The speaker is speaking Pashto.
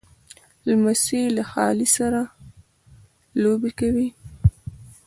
لمسی له خالې سره لوبې کوي.